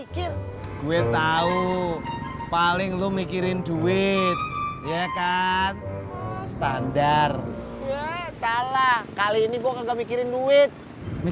silahkan masuk be